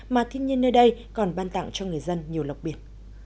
mà thiên nhiên nơi đây còn ban tặng cho người dân nhiều lọc biển